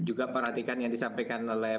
dan juga perhatikan yang disampaikan oleh